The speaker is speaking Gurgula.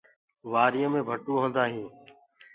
وآريو مي ڀٽو هوندآ هينٚ۔